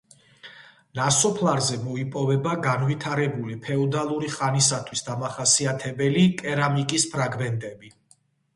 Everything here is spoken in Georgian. ნასოფლარზე მოიპოვება განვითარებული ფეოდალური ხანისათვის დამახასიათებელი კერამიკის ფრაგმენტები.